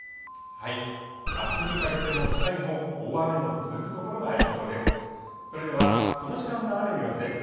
あすにかけても北日本、大雨の続く所がありそうです。